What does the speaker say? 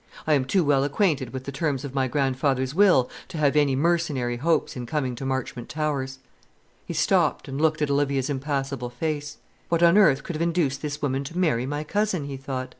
I am too well acquainted with the terms of my grandfather's will to have any mercenary hopes in coming to Marchmont Towers." He stopped, and looked at Olivia's impassible face. "What on earth could have induced this woman to marry my cousin?" he thought.